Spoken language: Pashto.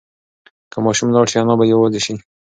که ماشوم لاړ شي انا به یوازې شي.